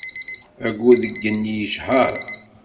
Ayyur deg yigenni yecher.